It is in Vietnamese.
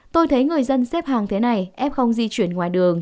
tôi thấy người dân xếp hàng thế này f không di chuyển ngoài đường